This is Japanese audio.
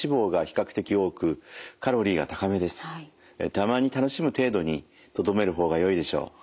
たまに楽しむ程度にとどめる方がよいでしょう。